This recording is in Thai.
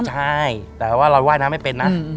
ใช่แต่ว่าเราว่ายน้ำไม่เป็นนะ